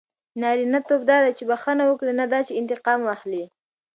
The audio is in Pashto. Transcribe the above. نارینه توب دا دئ، چي بخښنه وکړئ؛ نه دا چي انتقام واخلى.